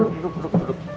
duduk duduk duduk